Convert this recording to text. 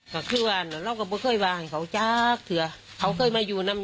ก็คืออ่าน่ะแล้วก็เคยบ่าให้เขาจากเธอเขาเคยมาอยู่น้ำ